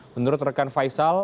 menurut rekan faisal